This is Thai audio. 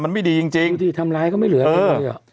มันไม่ดีจริงที่ทำร้ายก็ไม่เหลืออะไรอ่ะ